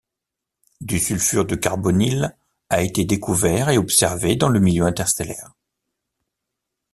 Du sulfure de carbonyle a été découvert et observé dans le milieu interstellaire.